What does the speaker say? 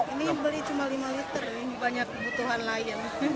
ini beli cuma lima liter ini banyak kebutuhan lain